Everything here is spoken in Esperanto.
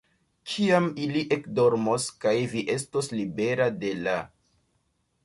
Kiam ili ekdormos kaj vi estos libera de la.